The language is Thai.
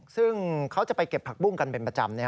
ซึ่งเขาจะไปเก็บผักบุ้งกันเป็นประจำ